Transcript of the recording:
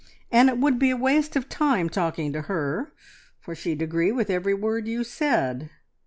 "And it would be a waste of time talking to her, for she'd agree with every word you said.